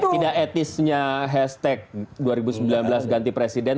tidak etisnya hashtag dua ribu sembilan belas ganti presiden